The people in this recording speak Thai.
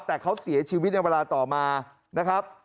แต่เขาเสียชีวิตในเวลาต่อมานะครับ